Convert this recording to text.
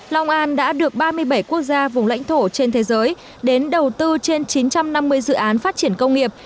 long an đã được ba mươi bảy quốc gia vùng lãnh thổ trên thế giới đến đầu tư trên chín trăm năm mươi dự án phát triển công nghiệp